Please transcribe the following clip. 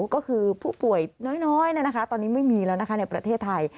ก็คือผู้ป่วยน้อยตอนนี้ไม่มีแล้วนะคะในประเทศไทย